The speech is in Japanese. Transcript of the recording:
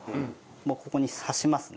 ここに刺しますね。